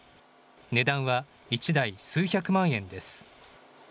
値段は１台数百万円です。